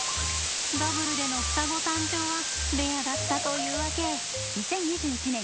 ダブルでの双子誕生はレアだったというわけ。